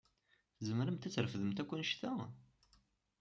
Tzemremt ad trefdemt akk annect-a?